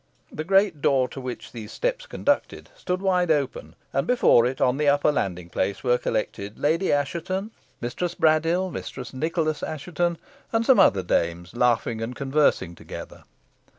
The great door to which these steps conducted stood wide open, and before it, on the upper landing place, were collected Lady Assheton, Mistress Braddyll, Mistress Nicholas Assheton, and some other dames, laughing and conversing together.